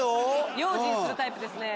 用心するタイプですね。